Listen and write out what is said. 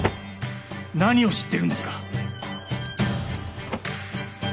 何を知ってるんですか！？